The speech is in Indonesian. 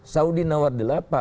saudi nawar delapan